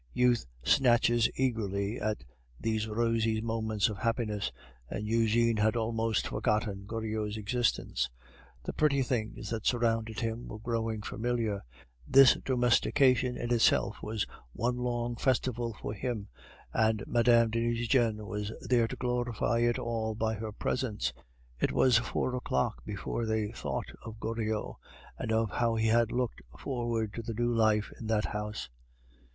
Youth snatches eagerly at these rosy moments of happiness, and Eugene had almost forgotten Goriot's existence. The pretty things that surrounded him were growing familiar; this domestication in itself was one long festival for him, and Mme. de Nucingen was there to glorify it all by her presence. It was four o'clock before they thought of Goriot, and of how he had looked forward to the new life in that house.